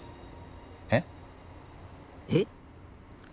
えっ？えっ？